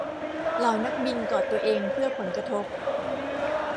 เหล่านักบินกอดตัวเองเพื่อผลกระทบ